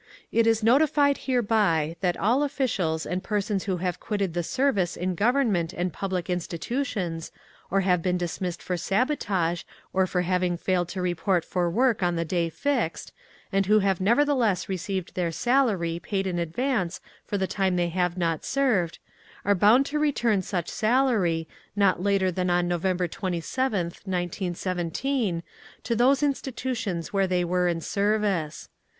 It is notified hereby, that all officials and persons who have quitted the service in Government and public institutions or have been dismissed for sabotage or for having failed to report for work on the day fixed, and who have nevertheless received their salary paid in advance for the time they have not served, are bound to return such salary not later than on November 27th, 1917, to those institutions where they were in service.